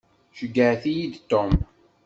Ceyyɛet-iyi-d Tom.